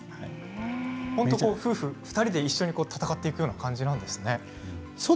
夫婦２人で一緒に戦っていく感じなんですね。